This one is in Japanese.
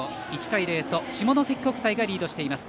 １対０と下関国際がリードしています。